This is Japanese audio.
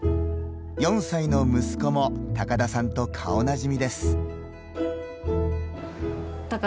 ４歳の息子も高田さんと顔なじみです。